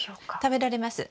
食べられます。